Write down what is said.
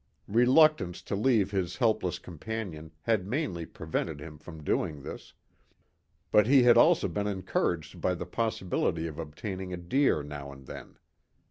Reluctance to leave his helpless companion had mainly prevented him from doing this, but he had also been encouraged by the possibility of obtaining a deer now and then.